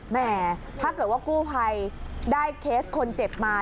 แหมถ้าเกิดว่ากู้ภัยได้เคสคนเจ็บมา